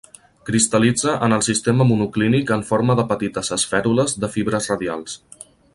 Cristal·litza en el sistema monoclínic en forma de petites esfèrules de fibres radials.